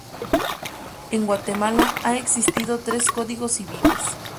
En Guatemala ha existido tres Código Civiles.